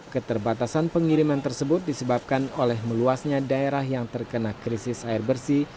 keterbatasan pengiriman tersebut disebabkan oleh meluasnya daerah yang terkena krisis air bersih